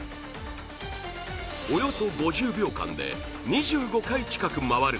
およそ５０秒間で２５回近く回る。